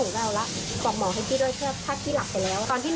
รู้อยู่แล้วเหรอว่าหนูเป็นเพราะอะไรอะไรอย่างนี้ค่ะ